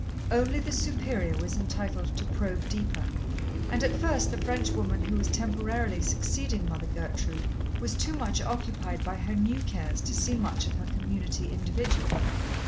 Only the Superior was entitled to probe deeper, and at first the Frenchwoman who was temporarily succeeding Mother Gertrude was too much occupied by her new cares to see much of her community individually.